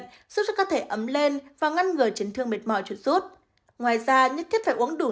giúp cho cơ thể ấm lên và ngăn ngừa chấn thương mệt mỏi chuột rút ngoài ra nhất thiết phải uống đủ